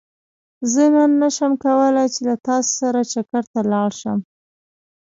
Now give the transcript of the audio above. زه نن نه شم کولاي چې له تاسو سره چکرته لاړ شم